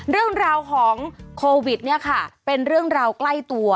เรื่องราวของโควิดเป็นเรื่องราวใกล้ตัว